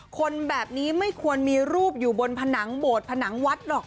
คนแบบนี้ไม่ควรมีรูปอยู่บนผนังโบดผนังวัดหรอก